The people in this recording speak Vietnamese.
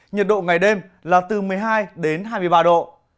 nhiệt độ ngày đêm là từ một mươi hai đến hai mươi ba độ